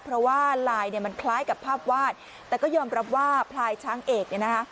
เพราะว่าลายเนี่ยมันคล้ายกับภาพวาดแต่ก็ยอมรับว่าพลายช้างเอกเนี่ยนะคะ